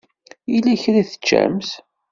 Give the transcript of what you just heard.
Yella kra i teččamt?